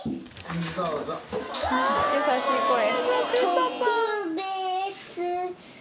優しい声。